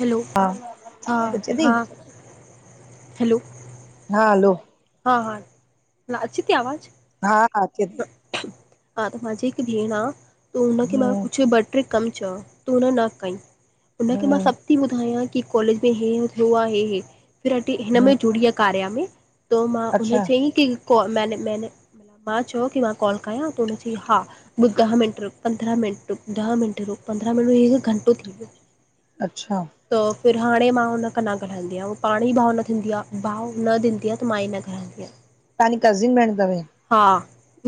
Hello, हा आवाज अचे हा- थी हा, हैलो हा हलो हा हा न अचे थी आवाज़ु? हा हा थी हा त मंहांजी हिकु भेण आ त हुनखे मां हम्म कुछ कम चयो तूं हुन न कंई, त हुनखे मां हम्म सब थी ॿुधायां कि कॉलेज में हे थियो आ, हे हे, हिन हम्म में जुड़ी आ कार्या में त मां उन अच्छा चयंईं कि को मैने- मैने मां चयो कि मां कॉल कयां, त हुन चंई, हा। ॿ ॾह मिंट, पंद्रहं मिंट, ॾह मिंट, पंद्रहं मिंट में हिकु घंटो थी वियो। अच्छा त फिर हाणे मां हुन खां न ॻाल्हाईंदीयां उ पाण ई भाव न थींदी आ, भाव न ॾींदी आ त मां ई न ॻाल्हंदीयां। न [inaudible] तांजी कज़िन भेण अथव या। हा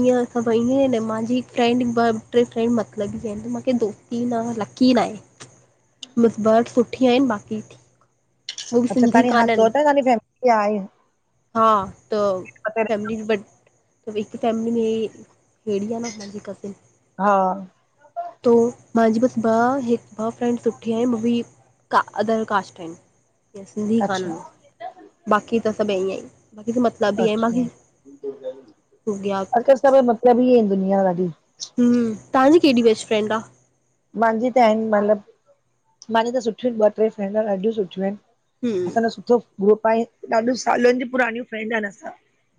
ईअं सब ईएं मंहांजी हिकु फैड ॿ टे फ्रैंडस मतलबी आहिन, त मंहांखे दोस्ती न लकी न आहे। मिंस ॿ सुठी आहिन बाक़ी ठीकु अच्छा तव्हांजी हा चओ ता तहांजी फैमिली आहे। हा त फैमिली बट त हिक फैमिली में हेड़ी आ न हुन जी कज़िन हा तो मंहांजी बसि ॿ हिक ॿ फ्रैंड सुठी आहिन, मां बि का अदर कास्ट आहिन या सिंधी अच्छा कान्हनि बाक़ी त सभु ईअं ई बाकि त मतलब अच्छा, हो गया अॼकल सब मतलबीआहिन दुुनिया ॾाढी। हम्म, तहांजी केॾि बेस्ट फ्रेंड आ? मंहांजी त आहिन मतिलब मंहांजी त सुठियूं आहिन ॿ टे फैंड ॾाढियूं सुठियूं आहिन। हम्म असांजो सुठो ग्रुप आहे, ॾाढो सालनि जूं पुराणीूं फ्रैंड आहिन असां।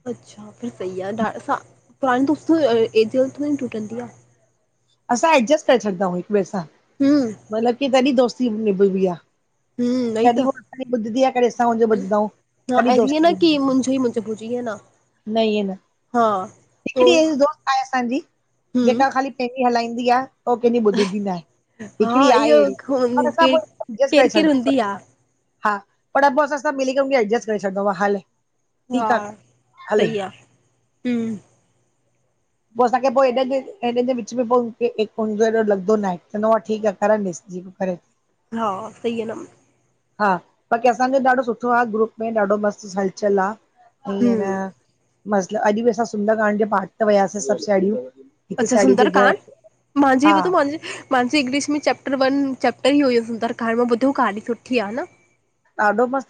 अच्छा फिर सही आहे, पुराणि दोस्ती एॾो जल्दी थोङी टुटंदी आ। असां एडजस्ट करे छॾंदा आहियूं हिक ॿिए सां। हम्म मलबु कि तॾी दोस्ती निभबी आ। हम्म वई कॾी त हू असांजी ॿुधंदी आ कॾी असां हुन्जो ॿुधंदऊं। त ऐं हिअं न कि मुंझो ई मुंझो बुझु ईएं न। न ईअं न। हा। तो हिकड़ी अहिड़ी दोस्त आहे असांजी, हम्म जेका ख़ाली पहिंजी हलाईंदी आ। हो कंहिं जी ॿुधंदी नाहें, हिकड़ी हा आहे इहो अहिड़ी, असां बि केर अजेस् केरु करे केरु छॾिदा हूंदी आहे [unintelligible] हा, पर पो असां सब मिली करे उनखे एडजस्ट करे छॾंदो आ हले। हा, ठीकु आहे हले सई आ, हम्म। पोइ असांखे पोइ हेॾनि जे हेॾनि जे विच में पो एॾो लॻंदो न आहे, चवंदो ठीकु आ, करण ॾसि जीअं करे। हा, सही वेंदमि। हा, बाक़ी असांजे ॾाढो सुठो आ, ग्रुप में ॾाढो मस्तु हलचल आ। ईअं न हम्म मस्ल, अॼु बि असां सुंदर कांड जे पाठ ते वियासीं सभु साहेड़ियूं। हिकु अच्छा साहेड़ी जे घर सुंदरकांड, मांजी हा बी तूं वञु। मांजी इंग्लिश में चैप्टर वन, चैप्टर ई हुयो सुंदर कांड मां ॿुधो काहाणी सुठी आ न। ॾाढो मस्त।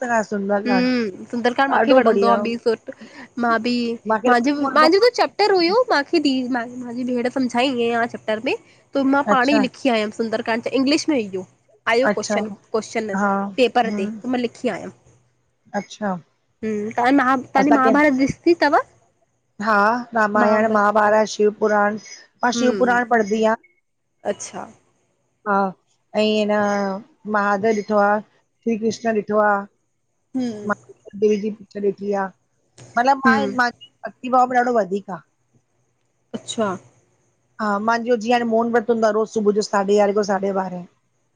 हम्म, सुंदरकांड मांखे वणंदो आ, बढ़िया, बि सुठ मां बी, मांखे मांजे मांजे बी त चेप चेप्टर हुयो, माखे भी मांजे माजी भेण सम्झाईं ईअं आ चेप्टर में। त मां पाण ई अच्छा लिखी आयमि, सुंदरकांड इंग्लिश में इहो। आयो अच्छा कोश्चन, कोश्चन हा पेपर ते हम त मां लिखी आयमि। अच्छा। हम्म, तव्हां म तव्हांजी असांखे महाभारत ॾिसणी तव? हा रामायण महाभारत शिवपुराण मां हम्म शिवपुराण पढ़िदी आ। अच्छा। हा इऐं न, महादेव ॾिठो आ। श्री कृष्ण ॾिठो आ। हम्म। हिकिड़ी ॿी भी पिक्चर ॾिठी आ, मतिलबु मां ई हम्म मांजी भक्ति भाव ॾाढो वधीक आ। अच्छा। हा मांजो जीअं हाणे मोन व्रत हूंदो आ, रोज़ सुबुह जो साढे यारहें खां साढे ॿारहें।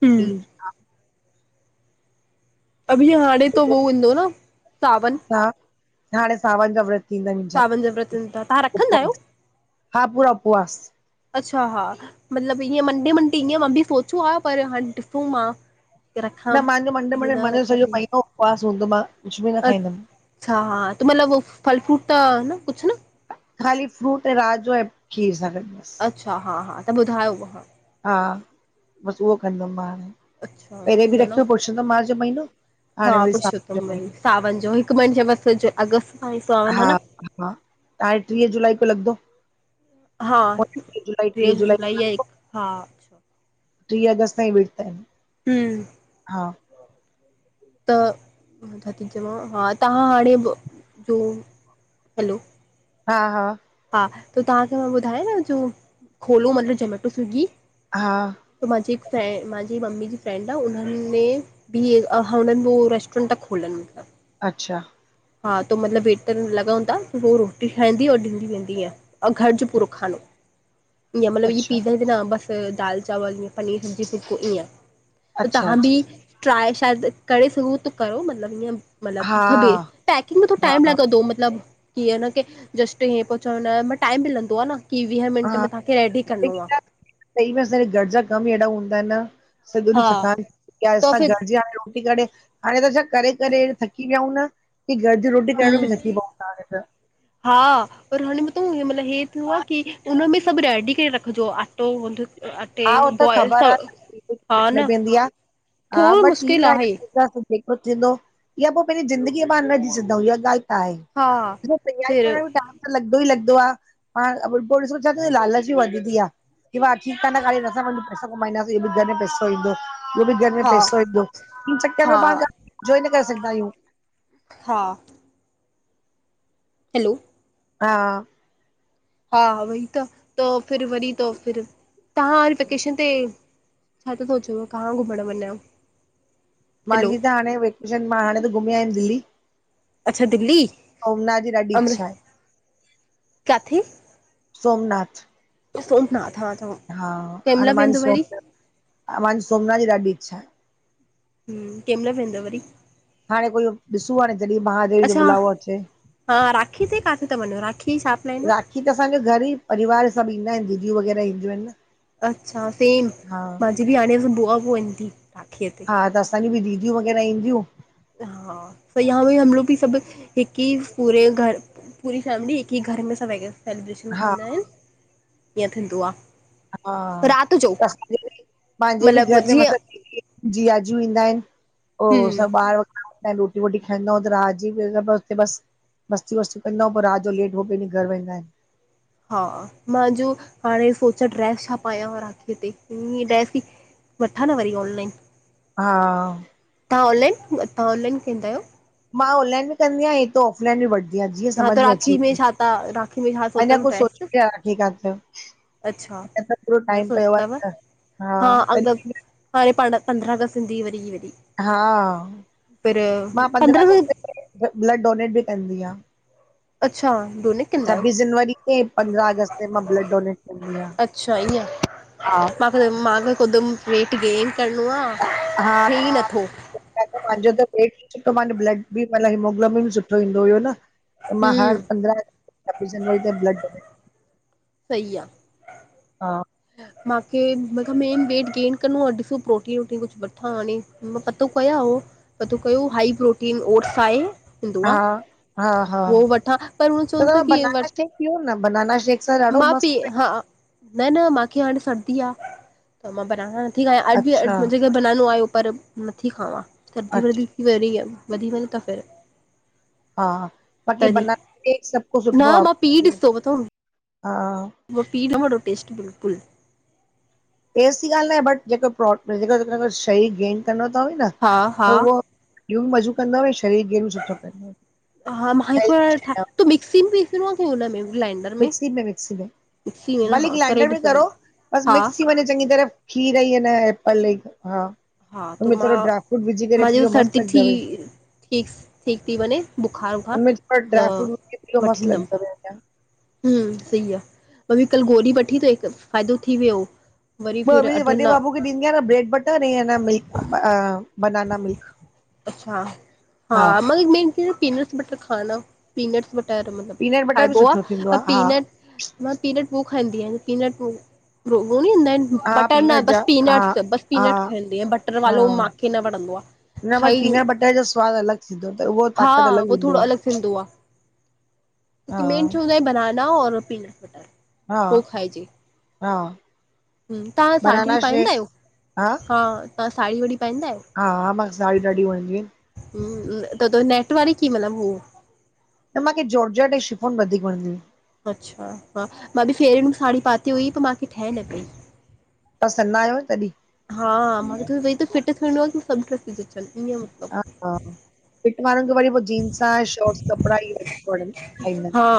हम्म अभी हाणे त हू ईंदो न सावन। न हाणे सावन जा व्रत। थींदा मुंहिंजा, सावन जा व्रत, त तां रखंदा आयो? उपवास हा पुरा उपवास अच्छा हा, मतिलबु ईअं मंडे मंडे ईअं मां बि सोचियो आ पर हाणे डिसूं मां रखां न मुंहिंजो मंडे की मुडे न मांजो रखां सॼो थी महीनो उपवास हूंदो आ, मां कुछ बि न खाईंदमि। अच्छा, हा त मतिलब हो फल फ्रूट त न कुछ न। ख़ाली फ्रूट ऐं रात जो ऐं खीर सां गॾ बस। अच्छा, हा हा त ॿुधायो उहा। हा, बसि उहो कंदमि मां हाणे। अच्छा पहिले बि सही आहे न रखियो पुरषोतम माह जो महीनो, हा हाणे वरी सावण जो पुरुषोत्तम वरी महीनो। सावन जो हिकु मिनजे बसि अगस्त सां ई सावन हा न। हा त हाणे टीह जुलाई खों लॻिदो। हा, टेईस जुलाई या एक हा। अच्छा। ट्रीह अगस्त ताईं व्रत आहिनि। ही हा त मां छा थी चवां हा तहां हाणे जो हलो हा हा हा त तहांखे मां ॿुधायांव जो खोलो मतलबु जमेटो, स्विगी हा त मांजी हिकु फें मांजी मम्मी जी फ्रेंड आ उन्हनि में बि ए ह हुन उ रेस्टोरेंट ता खोलनि मतिलब अच्छा। हा त मतिलब वेटर लॻंदा हो रोटी ठाइदी और ॾींदी वेंदीअं। अउं घर जो पूरो अच्छा खानो ईंय मतिलब ई अच्छा पिज़ा न बसि त दाल चावल पनीर जी फुलको ईअं त अच्छा तहां बी अच्छा ट्राए शायदि करे सघूं त कयो मतलबु इंय मतलबु हा फबे। हा तो मतिलबु ईंअं न कि जस्ट इयं पो चवनि ॾह टाइम भी लंगदो आ न। की वीह मिनंट हा में तव्हांखे रेडी करणो आ। लेकिन सही में असांजा घर जा कम इ एॾा हूंदा इन न। सॼो हा ॾीहं थकान थी दी त असां फिर घर जी हाणे रोटी करे हाणे त अ छा करे करे थकी पियाऊूं न की घर जी रोटी करण बि हम्म थकी पऊ तां ॼण हा पर हाणे म त मतल हे थियो आ की हुनमें सभु रेडी के रखिजो अटो व अ अटे हा हो त बॉइल ख़बर तव आहे हा रखणी न, पवंदी आहे हा थोड़ो बट ठीकु मुश्किल आहे। जेको थींदो या पो पंहिंजी ज़िंदगीअ मां न जी सघंदा इया ॻाल्हि आहे हा प फिर बि [unintelligible] लगदो ई लगदो आ पाण पोइ ॾिसो छा त लालच वधंदी आ। की वा ठीक आ न ॻाली न असां पैसो कमाईंदासीं बि घर में पैसो ईंदो। हु बि घर में हा पैसो ईंदो इन चक्कर में हा पाण जा जो ई न करे सघंदा आहियूं। हा। हैलो। हा। हा वई त तो फिर वरी तो फिर तहां वरी वेकेशन ते छा त सोचेव कहां घुमणु वञा? हैलो मांजी त हाणे वेकेशन मां हाणे त घुमी आयमि दिल्ली। अच्छा दिल्ली औना जी ॾाढी अमृ इच्छा आहे। सोमनाथ। ओ सोमनाथ हा अथव कंहिंमहिल वेंदो वरी। हा मांजी सोमनाथ जी ॾाडी इच्छा आहे। हम केमहिल वेंदा वरी? हाणे कोई ॾिसो हाणे जॾहिं महादेव जो अच्छा बुलावो अचे। हा राखी ते काथे त वनो राखी साथ में राखी त असांजो घर ई परिवार सभु ईंदा आहिनि दीदीयूं वग़ैरह ईंदियूं आहिनि न। अच्छा सेम हा मांजी बि हाणे बुआ बुआ ईंदी राखीअ ते। हा त असांजी बि दीदियूं वग़ैरह ईंदियूं। हा त इहा बि हलो बि सभु हिकु ई पूरे घर पूरी फैमिली हिकु घर में सेलिब्रेशन हा कंदा आहिनि ईअं थींदो आ। हा, बस दीदी, पांहिंजे बि मतिलबु घर जे जीअं मथां [unintelligible] जीयाजू ईंदा आहिनि, पोइ हम्म सभु ॿार रोटी - वोटी खाईंदा अऊं रात जी उते बस [unintelligible] मस्ती- वस्ती कंदा, पोइ राति जो लेट हो पंहिंजे घर वेंदा आहिनि। हा, मांजो हाणे सोचियां, ड्रैस छा पायां राखीअ ते?, हीअ ड्रैस ई वठां न वरी ऑनलाइन? हा। तव्हां ऑनलाइ, तव्हां ऑनलाइन थींदव? मां ऑनलाइन बि कंदी आहियां पोऑफलाइन वठदी आहियां। जीअं हा समझ त में अची राखी वञे, छा था राखी में छा अञा सोतम कुझु ड्रेस सोचो ही कान थम। अच्छा अञां पूरो न टाइम पियो सोचतव आहे। हा। हाणे पांजा पंद्रहां अगस्त सिंधी वरी- वरी। हा पर मां पंद्रहं अगस्त ते ब्लड डोनेट बि कंदी आहियां। अच्छा बोलो। छब्बीस जनवरी ते ऐं पंद्रहं अगस्त ते मां ब्लड डोनेट कंदी आहियां। हा। पर मां बि कदम वेट गेन करिणो आह, थिए ई नथो। पंहिंजो त पेट सुठो, माने ब्लड बि हिमोग्लोमिन सुठो ईंदो हुयो न। त मां हर हम्म पंद्रह छब्बीस जनवरी ते ब्लड डोनेट [unintelligible] सई आह। हा मां खे म मेन वेइट गेन करनो आहे ॾिसो प्रोटीन- वोटीन कुछ वठां खणी। मां पतो कयो या हो पतो कयो हाई प्रोटन ओट्स आए। हा हा हा उ वठां पर उ त चवनि था तव्हां की व बनाना शेक पियो न बनाना शेक सां ॾाढो मां पीउ मस्तु हा न न मांखे हाणे सर्दी आह, त मां बनाना नथी अॼु बि अच्छा मुंहिंजे [unintelligible] बनानो आयो पर नथी खावां, थधि वधी अच्छा वेई रही आहे। वधी वञे त फिर। हा बाक़ी तॾहिं बनान, सभ कुछ सुठो न मां आहे हा। म पी विया हो टेस्ट बिल्कुलु [unintelligible] तेसि ती ॻाल्हि न आहे बट जेको प्रो जेको शरीर गेन करणो तव न हा त हा उहो। यूं बि मज़ू कंदो हु शरीर [unintelligible] ह मक हेल्दी शइ ठ त मिक्सिंग बि बिस न क हुनमें [unintelligible] मिक्सी में, मिक्सी में, वेंदो भली हा करे ग्लाइंडर में ॾिसंदमि करो बसि हा मिक्स थी वञे चङी तरह। खीर ई, अ न एपल, हा। हा हुन त में मां थोरो ड्रायफ्रूट विझी करे मुंहिंजो पीओ, मस्त सर्दी थी लॻदव। हुन ठीकु ठीकु थी वञे बुखार वुखार त ड्राई फ्रूट व पियो मस्त लॻदव। हुं सही आह, मम्मी कल्ह गोरी वठी के हिक फ़ाइदो थी वियो। वरी ॿियो फिर बि अठ वॾे न बाबू खे ॾींदी आहे न, ब्रेड बटर, ऐं मिल्क बनाना मिल्क। अच्छा हा, मे ई पीनट्स बटर खाना पीनट्स बटर। [unintelligible] और मतलब पीनट बटर बि खाइबो आह, सुठो थींदो अ आहे हा पीनट मां पीनट पो खंदी आहियां, पीनट व ओ हूंदा आहिनि [unintelligible] हा बटर न पीनट बस जा हा पीनट्स, बस हा पीनट खाईंदी आहियां। बटर हा वालो मांखे न वणंदो आह। हुन वटि पीनट बटर जो सवादु अलॻ थींदो, त उहो हा ताक़त अलॻि उहो थोरो ॾींदो आह। अलॻि थींदो आहे मेन चवंदा आहिनि बनाना, और पीनट बटर। हा, उहो खाइजे हा। तव्हां साढी बनाना पाईंदा शेक आहियो?, हा, तव्हां साड़ी वड़ी पाईंदा आहियो? हा मां साड़ियूं ॾाढियूं वणंदियूं आहिनि। त नेट वरी की मतलब हो? त माखे जॉर्जट ऐ शिफोन वधीक वणंदी आहिन। अच्छा हा मां बि फेरन में साड़ी पाती हुई पर मां खे ठह न पई। तव्हां सन्हा आहियो तॾहिं हा मूंखे त फिट थियणो आहे सभ ड्रसच [inaudible] हा हा फिट वारनि खे वरी पोइ जींस शॉर्ट्स कपिड़ा ई ठईंदा आहिन। हा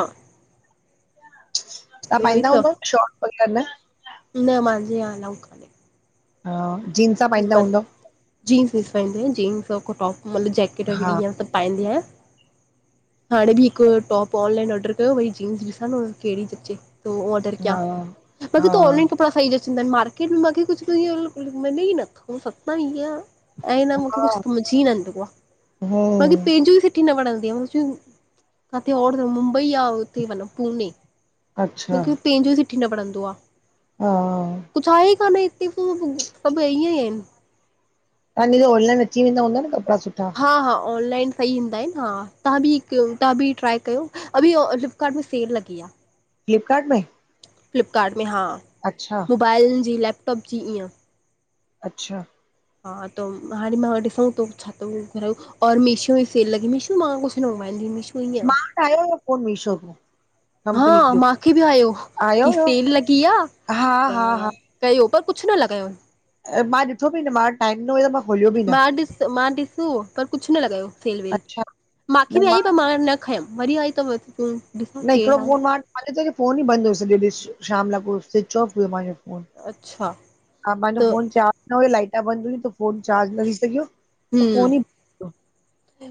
ताहां उहोई पाईंदा त हूंद न शॉट्स वग़ैरह न? न माहिंजे या आलऊ काने। हाजींस पाईंदा हूंदव? जींस विं। स पाईंदी आहि जींस टॉप मतलबु जेकेट वग़ैह हा ईअ सभु पाईंदी आहियां हाणे बि हिकु टॉप ऑनलाइन ऑर्डर कयो भई जींस ॾिसण कहिड़ी ती जचे त कया हा पतो हा तव ऑनलाइन कपड़ा सही चवदां मार्केट में मूंखे कुझु मे ई नथो सता ईं ऐं न मूंखे हा कुझु समझी नंदोयो आहे बाक़ी हम्म पंहिंजो सुठी न बचंदो काथे मुंबई आ। उते वञो पुणे अच्छा मूंखे पंहिंजो सिठी न पढंदो आ। हा। कुझु आहे ई कान हिते सभु ईअं ई आहिन। तवांजो ऑनाइन अचीें वेंदा हूंदा न कपिड़ा सुठा? हा- हा ऑनलाइन सही ईंदा आहिन हा तव्हां बि हिकु तव्हां बि ट्राए कयो अभी कल्ह सेल लॻी आ। फ्लिपकार्ट में? फ्लिपकार्ट में हा। अच्छा मोबाइलनि जी लैपटॉप जी ईअं। अच्छा हा त हाणे मां ॾिसूं थो। छा मिंतरा ते मीशो ई सेल लॻी मीशो मां कुझु नोबाइलंदी मीशो ई आ। [unintelligible] कंपनी हा जो माखे बि आयो आयो कि हुयो सेल लॻी आहे हा हा हा त कओ पर कुझु न लॻयो। मां ॾिठो बि न मां टाइम न हुयो त मां खोलियो बि न। मां ॾिस मां ॾिसो। पर कुझु न लॻायो सेल वेल अच्छा माखी बि आई पर मां न खयमि वरी आई तथ व त न हिकिड़ो केरु आहे फो मांो फोन ईंदि हुयो सॼो ॾ शाम लाइ को स्विच ऑफ हुयो मुंहिंजो अच्छा हा माहिंजो त फोन चार्ज न हुयो लाईटा बंद हुई त फोन चार्ज न थी सघियो। हूं फोन ई बंदि हुयो।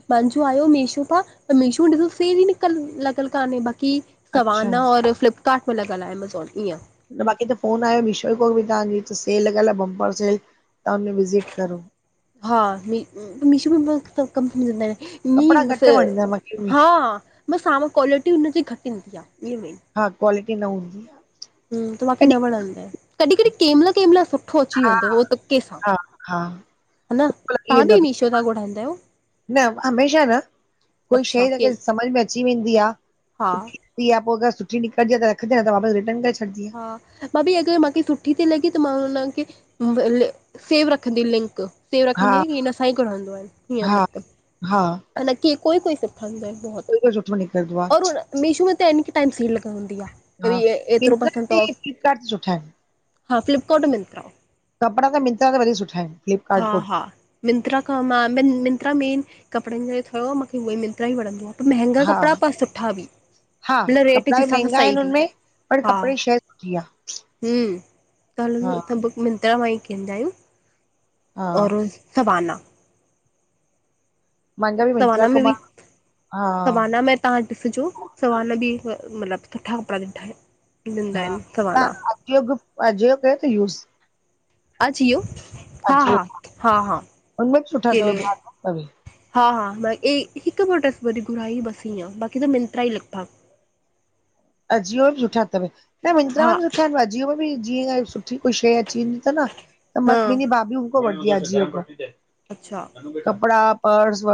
मांजो आयो मेशो प मेशो ॾिसो से नकल लकल काननेहे बाक़ी अच्छा सवाना और फ्लिपकार्ट में लगॻलि आहे एमेज़ॉन ईअं। न बाक़ी त फोन आहियो मिशोई को बि तव्हांजी सेल लॻ आ बम्पर सेल तव्हां हुन में विज़िट करो। हा मीशो बि मु कंपनी हूंदा आहिन। कपिड़ा ईअ बस घटि वणंदा आहिनि मूंखे हा! मीशो बस हां क्वालिटी हुनजी घट ईंदी आहे ईअ में। हा, क्वालिटी न हूंदी आ। त माखे न कॾहिं वणंदी, कॾहिं कॾहिं कंहिं महिल कंहिं महिल सुठो अची हा वेंदो उो तु के सां। हा हा [unintelligible] काॾां घुराईंदायो? न हमेशा न, कोई अच्छा शइ के लेकिन समझ में अची वेंदी आ हा सुठी दीया, पो अगर सुठी निकदीआ त रखदायूं न त वापस रिटर्न करे छॾदीआ। हा, भाभी अगर माखे सुठी ती लॻे त मां हुनन खे सेव रखंदी लिंक, सेव हा रखंदी आं की हिनन सां ई घुरांईंदो आहे, हीअं हा मतलब हा हा, नकी कोई कोई सुठा हूंदा एन बहुत, बिल्कुलु सुठो निकिरंदो आ और मीशू में एनी टाईम सेल हूंदी आ, हा एतरो मिंत्रा पसंद ते तव, फ्लिपकार्ट ते सुठा आहिनि हां फ्लिप कार्ड पे मिलता है। कपड़ा त मिंत्रा ते वरी बि सुठा एन। हा हा मिंत्रा कां मां, मिंत्रा मेन कपड़न जो ई थव, मूंखे उहोई मिंत्रा ई वणंदो आ। पर मंहंगा हा कपड़ा पर सुठा बि। हा न, रेट जे कपिड़ा बि हिसाब सां महांगा सई आहिनि ती, हुनमें पर हा, कपिड़े जी शइ सुठी आ हूं हा त बुक मिंत्रा मां ई केंदायूं, हा और सबाना। मुंहिंजा बि मिंत्रा सबाना में खां बि, मां हा सबाना में तहां ॾिसजो, सबाना बि, मतलब सुठा कपड़ा ॾिठा न, ॾिंदा एन सबाना। इहो, अ, जीओ कयो तई यूज़? अ, जीओ, हा अजियो हा, हा हा हुनमें बि सुठा अथव ब्रांड अथव हा हा, मां हिक प्रोडक्ट्स वरी घुरई बस ईंय, बाकी त मिंत्रा ईं लगभग अ, जीओ बि सुठा तव, न मिंत्रा में हा बि सुठा एन, अ, जीओ में बि जीएं सुठी कोई शइ अची वेंदी तव न, त हा मस्त ॿिनीं भाभीयुन खौ वठंदी आं, अ, जीओ खौं। अच्छा कपड़ा पर्स व